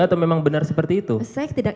atau memang benar seperti itu saya tidak